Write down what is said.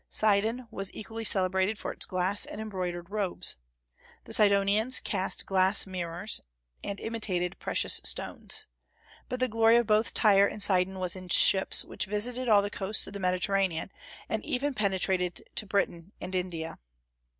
Sidon was equally celebrated for its glass and embroidered robes. The Sidonians cast glass mirrors, and imitated precious stones. But the glory of both Tyre and Sidon was in ships, which visited all the coasts of the Mediterranean, and even penetrated to Britain and India.